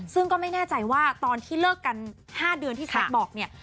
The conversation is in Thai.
ซึ่งก็ไม่แน่ใจว่าตอนที่เลิกกัน๕เดือนที่แซคบอกเนี่ย